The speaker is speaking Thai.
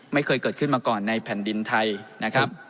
ไม่เคยเกิดขึ้นมาก่อนในแผ่นดินไทยนะครับ